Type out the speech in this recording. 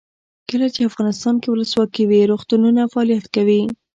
کله چې افغانستان کې ولسواکي وي روغتونونه فعالیت کوي.